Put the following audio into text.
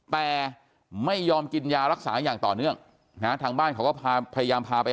แต่ไม่ยอมกินยารักษาอย่างต่อเนื่องนะฮะทางบ้านเขาก็พาพยายามพาไป